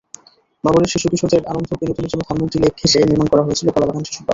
নগরের শিশু-কিশোরদের আনন্দ-বিনোদনের জন্য ধানমন্ডি লেক ঘেঁষে নির্মাণ করা হয়েছিল কলাবাগান শিশুপার্ক।